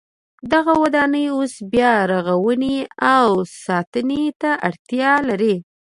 دغه ودانۍ اوس بیا رغونې او ساتنې ته اړتیا لري.